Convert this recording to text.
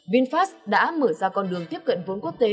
vinfast đã mở ra con đường tiếp cận vốn quốc tế